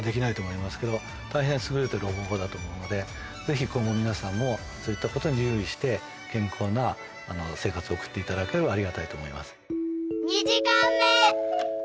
大変優れてる方法だと思うのでぜひ今後皆さんもそういったことに留意して。を送っていただければありがたいと思います。